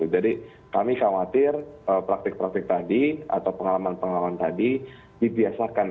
kami khawatir praktik praktik tadi atau pengalaman pengalaman tadi dibiasakan